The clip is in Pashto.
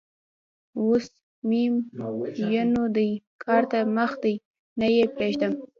اوس م ېنو دې کار ته مخ دی؛ نه يې پرېږدم.